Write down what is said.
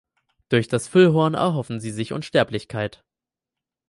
Durch das Füllhorn erhoffen sie sich Unsterblichkeit.